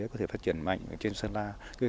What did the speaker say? có thể phát triển mạnh trên sơn la